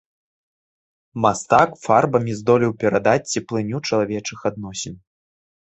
Мастак фарбамі здолеў перадаць цеплыню чалавечых адносін.